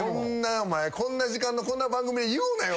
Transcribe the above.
お前こんな時間のこんな番組で言うなよ